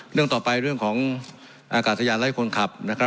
เรื่องต่อไปเรื่องของอากาศยานไร้คนขับนะครับ